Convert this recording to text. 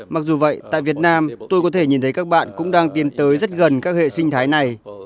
mặc dù vậy tại việt nam tôi có thể nhìn thấy các bạn cũng đang tiến tới rất gần các hệ sinh thái này